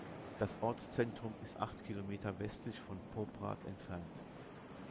Das Ortszentrum ist acht Kilometer westlich von Poprad entfernt.